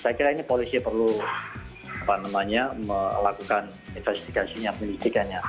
saya kira ini polisi perlu melakukan investigasinya penyelidikannya